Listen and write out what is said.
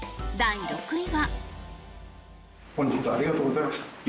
第６位は。